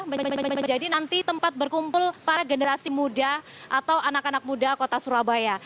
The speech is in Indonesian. menjadi nanti tempat berkumpul para generasi muda atau anak anak muda kota surabaya